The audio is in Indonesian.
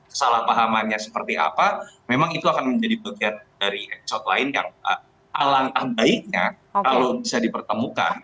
kesalahpahamannya seperti apa memang itu akan menjadi bagian dari enshot lain yang alangkah baiknya kalau bisa dipertemukan